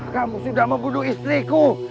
kamu sudah membunuh istriku